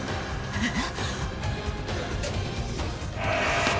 えっ！？